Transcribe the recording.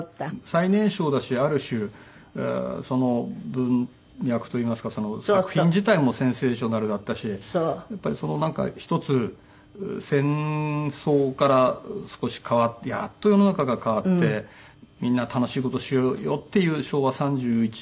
最年少だしある種その文脈といいますか作品自体もセンセーショナルだったしやっぱりなんか一つ戦争から少しやっと世の中が変わってみんな楽しい事しようよっていう昭和３１年ぐらいなんですけども。